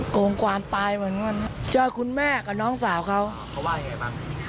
โกงความตายเหมือนกันเจอคุณแม่กับน้องสาวเขาเขาว่ายังไงบ้าง